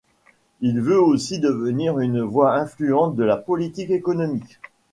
Il veut aussi devenir une voix influente de la politique économique.